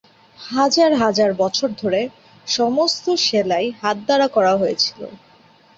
হাজার হাজার বছর ধরে, সমস্ত সেলাই হাত দ্বারা করা হয়েছিল।